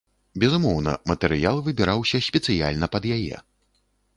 Безумоўна, матэрыял выбіраўся спецыяльна пад яе.